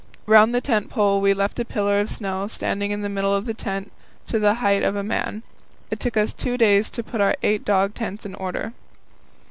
Round the tent pole we left a pillar of snow standing in the middle of the tent to the height of a man. It took us two days to put our eight dog tents in order.